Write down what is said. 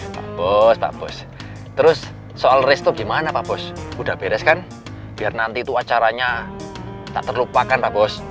pak bos pak bos terus soal restu gimana pak bos udah beres kan biar nanti itu acaranya tak terlupakan pak bos